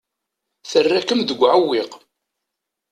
Terra-kem deg uɛewwiq.